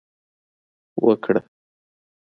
وکړه